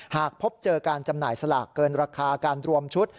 หากพบเจอการจำหน่ายสลากเกินราคาการรวมชุด